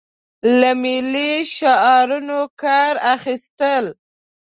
له ملي شعارونو کار اخیستل.